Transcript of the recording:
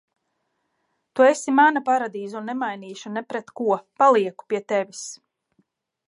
Tu esi mana paradīze un nemainīšu ne pret ko, palieku pie tevis.